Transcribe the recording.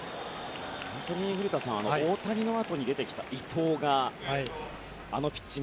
本当に古田さん大谷のあとに出てきた伊藤があのピッチング。